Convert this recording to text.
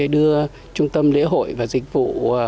đưa trung tâm lễ hội và dịch vụ